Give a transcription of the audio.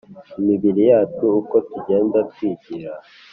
imibiri yacu uko tugenda twigira